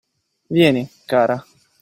Vieni, cara.